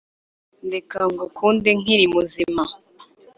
Ndeka ngukunde nkiri muzima